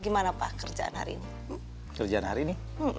gimana pak kerjaan hari ini